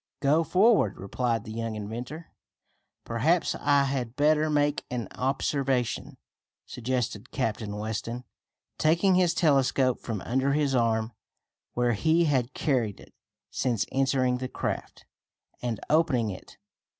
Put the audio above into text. "Go forward," replied the young inventor. "Perhaps I had better make an observation," suggested Captain Weston, taking his telescope from under his arm, where he had carried it since entering the craft, and opening it.